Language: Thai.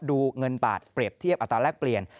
เงินบาทเปรียบเทียบอัตราแรกเปลี่ยน